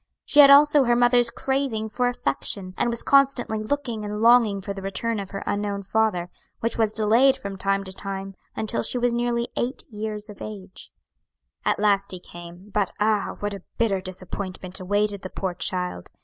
She had also her mother's craving for affection, and was constantly looking and longing for the return of her unknown father, which was delayed from time to time until she was nearly eight years of age. "At last he came; but ah, what a bitter disappointment awaited the poor child!